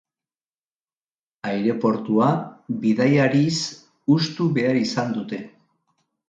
Aireportua bidaiariz hustu behar izan dute.